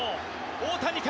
大谷か？